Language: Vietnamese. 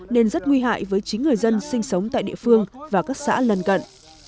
nên rất nguy hại với chính người dân sinh sống tại địa phương và các xã lần cận